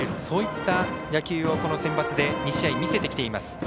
そういった野球をこのセンバツで２試合見せてきています。